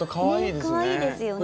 かわいいですよね。